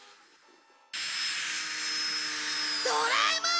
ドラえもん！